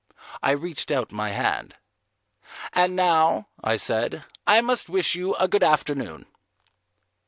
I reached out my hand. "And now," I said, "I must wish you a good afternoon."